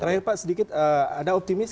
terakhir pak sedikit ada optimis